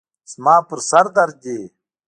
زما پر سر درد دی.